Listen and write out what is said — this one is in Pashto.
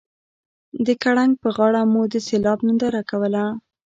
د ګړنګ په غاړه موږ د سیلاب ننداره کوله